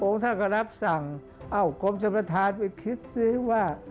ท่านก็รับสั่งเอ้ากรมชมประธานไปคิดซิว่า